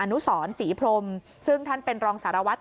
นุสรศรีพรมซึ่งท่านเป็นรองสารวัตร